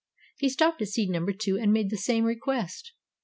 He stopped at seed number Two and made the same request.